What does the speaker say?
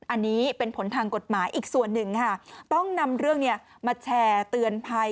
อันนี้เป็นผลทางกฎหมายอีกส่วนหนึ่งค่ะต้องนำเรื่องนี้มาแชร์เตือนภัย